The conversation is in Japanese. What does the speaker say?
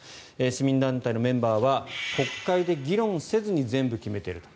市民団体のメンバーは国会で議論せずに全部決めていると。